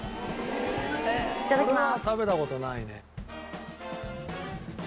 いただきます。